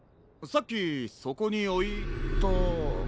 さっきそこにおいた。